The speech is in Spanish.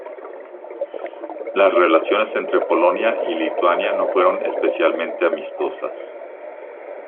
Las relaciones entre Polonia y Lituania no fueron especialmente amistosas.